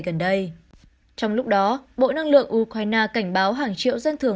gần đây trong lúc đó bộ năng lượng ukraine cảnh báo hàng triệu dân thường